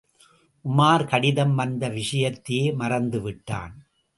உமார் கடிதம் வந்த விஷயத்தையே மறந்து விட்டான்.